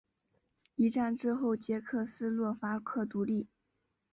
一战之后捷克斯洛伐克独立。